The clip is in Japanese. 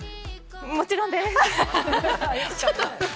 もちろんです！